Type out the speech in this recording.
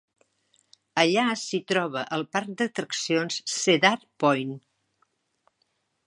Allà s'hi troba el parc d'atraccions Cedar Point.